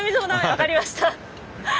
分かりました。